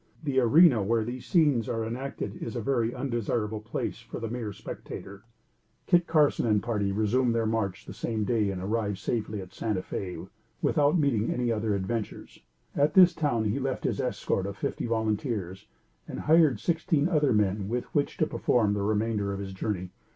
The arena where these scenes are enacted is a very undesirable place for a mere spectator. Kit Carson and party resumed their march the same day, and arrived safely at Santa Fé, without meeting with any other adventures. At this town he left his escort of fifty volunteers, and hired sixteen other men with which to perform the remainder of his journey.